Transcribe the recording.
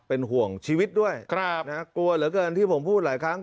เป็นห่วงชีวิตด้วยกลัวเหลือเกินที่ผมพูดหลายครั้ง